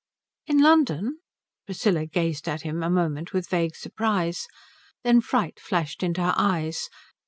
"In London?" Priscilla gazed at him a moment with a vague surprise. Then fright flashed into her eyes.